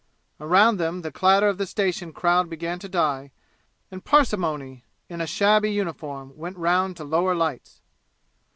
Around them the clatter of the station crowd began to die, and Parsimony in a shabby uniform went round to lower lights.